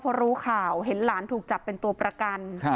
พอรู้ข่าวเห็นหลานถูกจับเป็นตัวประกัน